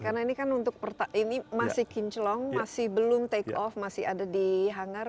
karena ini kan untuk ini masih kinclong masih belum take off masih ada di hangar